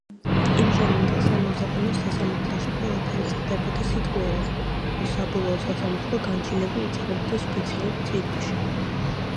იმჟამინდელ სამურზაყანოს სასამართლოში ყველაფერი წყდებოდა სიტყვიერად, ხოლო საბოლოო სასამართლო განჩინება იწერებოდა სპეციალურ წიგნში.